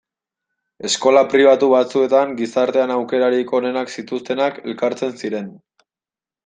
Eskola pribatu batzuetan gizartean aukerarik onenak zituztenak elkartzen ziren.